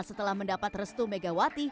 setelah mendapat restu megawati